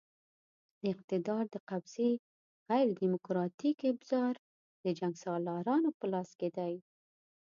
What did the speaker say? د اقتدار د قبضې غیر دیموکراتیک ابزار د جنګسالارانو په لاس کې دي.